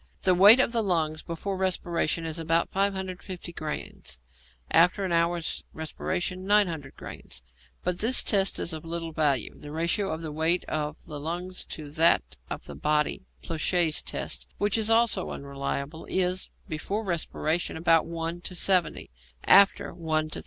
The weight of the lungs before respiration is about 550 grains, after an hour's respiration 900 grains; but this test is of little value. The ratio of the weight of the lungs to that of the body (Ploucquet's test), which is also unreliable, is, before respiration, about 1 to 70; after, 1 to 35.